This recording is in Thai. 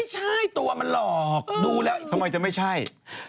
หลอกดูแล้วทำไมจะไม่ใช่